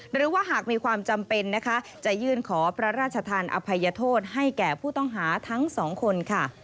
หรือว่าหากมีความจำเป็นนะคะจะยื่นขอพระราชทานอภัยโทษให้แก่ผู้ต้องหาทั้งสองคนค่ะ